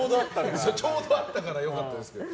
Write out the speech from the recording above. ちょうどあったから良かったですけど。